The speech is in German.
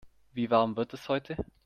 Wie warm wird es heute?